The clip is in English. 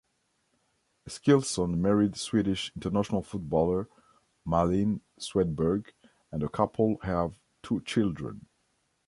Eskilsson married Swedish international footballer Malin Swedberg, and the couple have two children.